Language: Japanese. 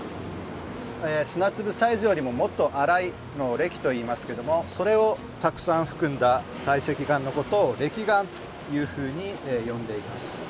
砂粒サイズよりももっと粗いのをれきといいますけどもそれをたくさん含んだ堆積岩のことをれき岩というふうに呼んでいます。